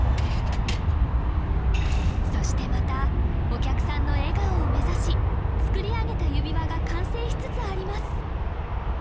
そしてまたお客さんの笑顔を目指し作り上げた指輪が完成しつつあります